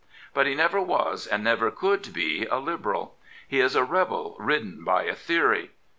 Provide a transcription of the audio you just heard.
But he never was and never could be a Liberal. He is a rebel ridden by a theory.